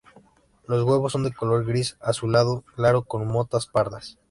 Los huevos son de color gris azulado claro con motas pardas.